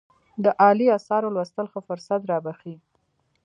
د عالي آثارو لوستل ښه فرصت رابخښي.